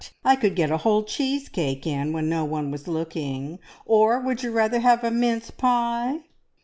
I could get a whole cheese cake in when no one was looking. Or would you rather have a mince pie?"